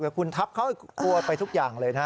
คุณทับเขากลัวไปทุกอย่างเลยนะ